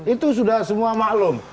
itu sudah semua maklum